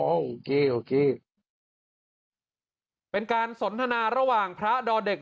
โอเคโอเคเป็นการสนทนาระหว่างพระดอเด็ก